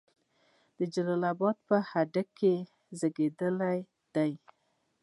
د جلال آباد په هډې کې زیږیدلی دی.